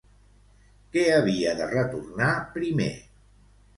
Què havia de retornar primer?